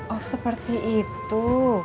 oh seperti itu